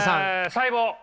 細胞。